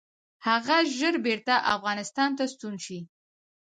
هغه ژر بیرته افغانستان ته ستون شي.